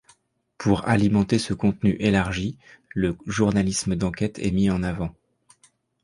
Pour alimenter ce contenu élargi, le journalisme d'enquête est mis en avant.